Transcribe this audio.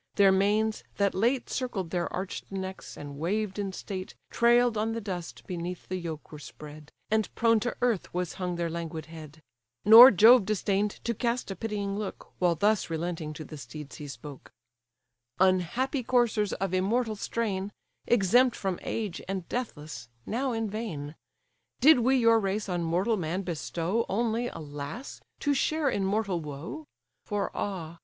Their manes, that late Circled their arched necks, and waved in state, Trail'd on the dust beneath the yoke were spread, And prone to earth was hung their languid head: Nor Jove disdain'd to cast a pitying look, While thus relenting to the steeds he spoke: "Unhappy coursers of immortal strain, Exempt from age, and deathless, now in vain; Did we your race on mortal man bestow, Only, alas! to share in mortal woe? For ah!